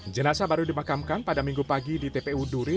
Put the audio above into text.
jenasa baru dimakamkan pada minggu pagi di tpu duri